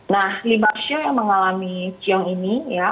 nah lima show yang mengalami ciong ini ya